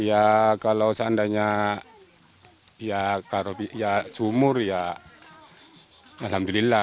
ya kalau seandainya ya sumur ya alhamdulillah